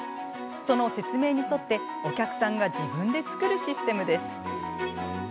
その説明に沿ってお客さんが自分で作るシステムです。